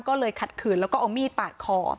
ก็เลยขัดขืนแล้วก็เอามีดปาดคอ